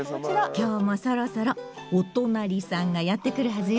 今日もそろそろおとなりさんがやって来るはずよ。